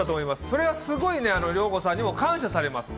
それはすごいね良子さんにも感謝されます